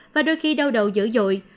và đôi khi đau đầu dữ dội